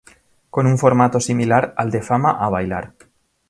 Con un formato similar al de "Fama ¡A bailar!